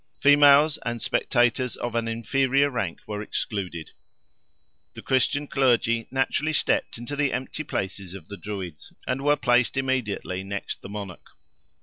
Females and spectators of an inferior rank were excluded; the Christian clergy naturally stepped into the empty places of the Druids, and were placed immediately next the monarch.